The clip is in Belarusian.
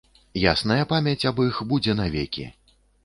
Ясная памяць аб іх будзе навекі!